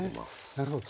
なるほど。